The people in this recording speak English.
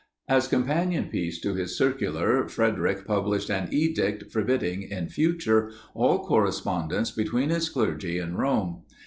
As companion piece to his circular, Frederic published an edict forbidding, in future, all correspondence between his clergy and Rome.